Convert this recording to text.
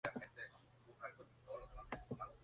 La estructura del teatro es de pino oregón.